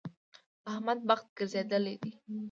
د احمد بخت ګرځېدل دی.